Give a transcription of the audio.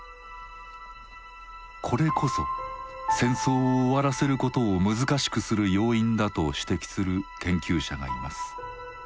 これこそ戦争を終わらせることを難しくする要因だと指摘する研究者がいます。